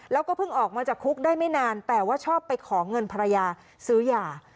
แล้วก็เพิ่งออกมาจากคุกได้ไม่นานแต่ว่าชอบไปขอเงินภรรยาซื้อยา